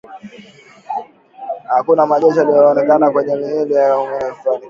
Hakuna majeraha yaliyoonekana kwenye miili ya waliokufa